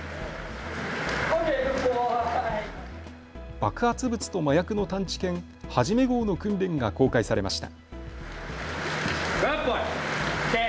爆発物と麻薬の探知犬、ハジメ号の訓練が公開されました。